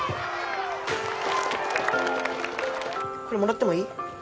これもらってもいい？